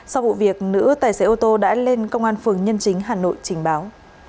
sau vụ việc nữ tài xế ô tô đã lên công an phường nhân chính hà nội trình báo